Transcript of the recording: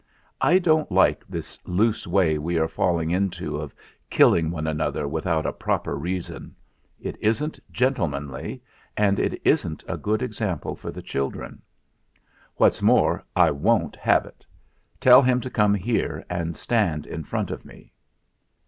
I don't like this loose way we are falling into of killing one another without a proper reason. It isn't gentlemanly, and it isn't a good example for the children. What's more, I won't have it. Tell him to come here and stand in front of me."